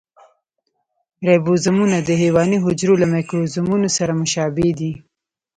رایبوزومونه د حیواني حجرو له مایکروزومونو سره مشابه دي.